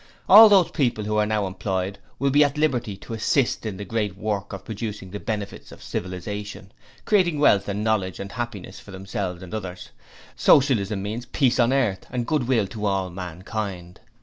All those people who are now employed will then be at liberty to assist in the great work of producing the benefits of civilization; creating wealth and knowledge and happiness for themselves and others Socialism means Peace on earth and goodwill to all mankind.